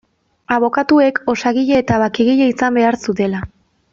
Abokatuek osagile eta bakegile izan behar zutela.